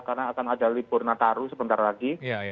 karena akan ada libur nataru sebentar lagi